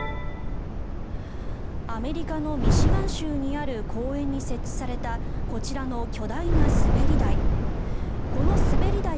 アメリカのミシガン州にある公園に設置されたこちらの巨大な滑り台。